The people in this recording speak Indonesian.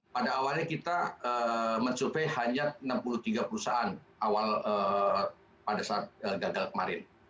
pada awalnya kita mensurvey hanya enam puluh tiga perusahaan awal pada saat gagal kemarin